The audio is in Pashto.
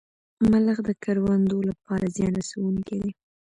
ملخ د کروندو لپاره زیان رسوونکی دی